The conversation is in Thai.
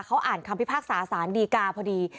เขาอ่านคำพิพากษาสารดีกาพอดี